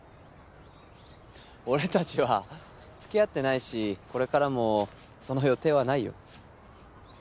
俺たちは付き合ってないしこれからもその予定はないよ。